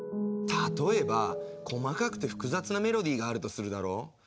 例えば細かくて複雑なメロディーがあるとするだろ。